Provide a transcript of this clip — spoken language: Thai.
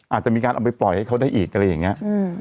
อาจจะมีการเอาไปปล่อยให้เขาได้อีกอะไรอย่างนี้